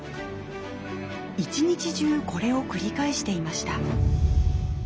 一日中これを繰り返していました。